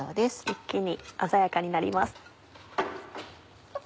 一気に鮮やかになります。